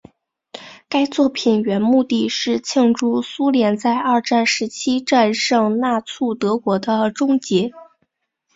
该作品原目的是庆祝苏联在二战时期战胜纳粹德国的终结。